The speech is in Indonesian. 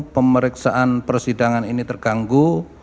pemeriksaan persidangan ini terganggu